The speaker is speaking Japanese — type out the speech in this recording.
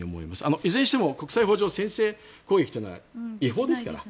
いずれにしても国際法上先制攻撃というのは違法ですから。